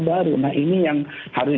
baru nah ini yang harus